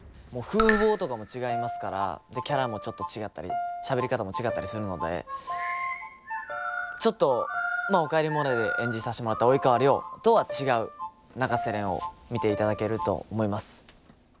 もう風貌とかも違いますからキャラもちょっと違ったりしゃべり方も違ったりするのでちょっと「おかえりモネ」で演じさせてもらった及川亮とは違う永瀬廉を見ていただけると思います。